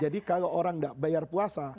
jadi kalau orang nggak bayar puasa